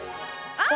あ！